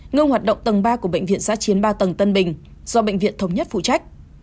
ngưng hoạt động tầng ba của bệnh viện giã chiến ba tầng tân bình do bệnh viện thống nhất phụ trách